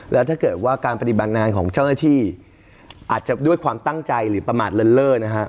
แล้วถ้าเกิดว่าการปฏิบัติงานของเจ้าหน้าที่อาจจะด้วยความตั้งใจหรือประมาทเลินเล่อนะฮะ